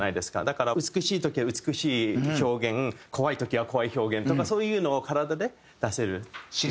だから美しい時は美しい表現怖い時は怖い表現とかそういうのを体で出せるようになるとかね